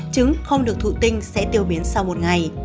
trứng không được thụ tinh sẽ tiêu biến sau một ngày